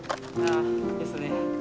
あですね。